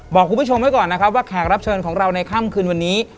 บอกคุณผู้ชมไว้ก่อนนะครับว่าแขกรับเชิญของเราในค่ำคืนวันนี้